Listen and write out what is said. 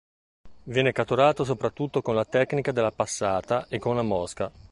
Viene catturato soprattutto con la tecnica della passata e con la mosca.